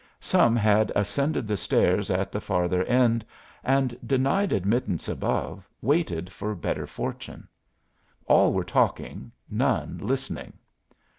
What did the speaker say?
Some had ascended the stairs at the farther end, and, denied admittance above, waited for better fortune. All were talking, none listening.